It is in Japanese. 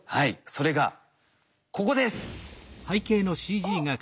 それがここです。